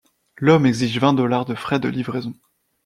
L'homme exige vingt dollars de frais de livraison.